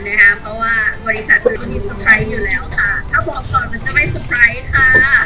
นะฮะเพราะว่าบริษัทตัวนี้สเปรย์อยู่แล้วค่ะถ้าบอกก่อนมันจะไม่สเปรย์ค่ะ